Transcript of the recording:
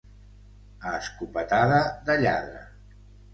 A escopetada de lladre.